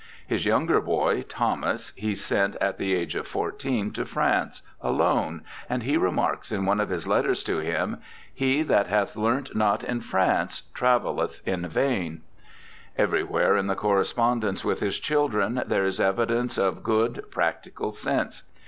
His younger boy, Thomas, he sent at the age of fourteen to France, alone, and he remarks in one of his letters to him :' He that hath learnt not in France travelleth m vain.' Everywhere in the cor respondence with his children there is evidence of good, practical sense.